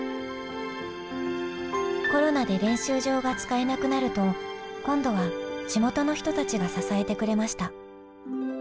コロナで練習場が使えなくなると今度は地元の人たちが支えてくれました。